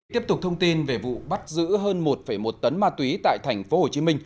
tiếp tục thông tin về vụ bắt giữ hơn một một tấn ma túy tại tp hcm